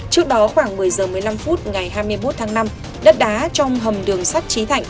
trước đó khoảng một mươi h một mươi năm phút ngày hai mươi một tháng năm đất đá trong hầm đường sắt trí thạnh